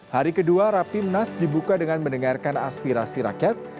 hari kedua rapimnas dibuka dengan mendengarkan aspirasi rakyat